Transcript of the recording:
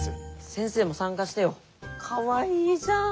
先生も参加してよ。かわいいじゃん！